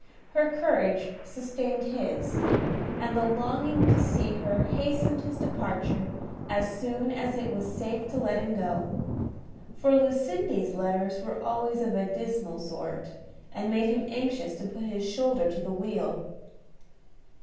Her courage sustained his, and the longing to see her hastened his departure as soon as it was safe to let him go; for Lucindy's letters were always of a dismal sort, and made him anxious to put his shoulder to the wheel.